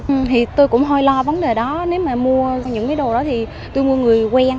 thì tôi cũng hơi lo vấn đề đó nếu mà mua những cái đồ đó thì tôi mua người quen